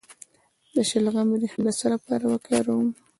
د شلغم ریښه د څه لپاره وکاروم؟